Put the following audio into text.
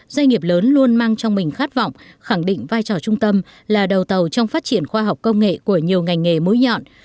doanh nghiệp lớn luôn mang trong mình khát vọng khẳng định vai trò trung tâm là đầu tàu trong phát triển khoa học công nghệ của nhiều ngành nghề mũi nhọn